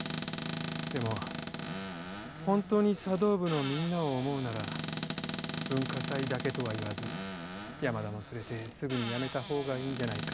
でも本当に茶道部のみんなを思うなら文化祭だけとは言わず山田も連れてすぐに辞めたほうがいいんじゃないか？